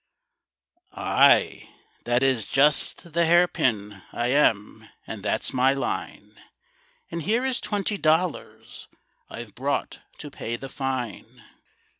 "Ay, that is just the hair pin I am, and that's my line; And here is twenty dollars I've brought to pay the fine."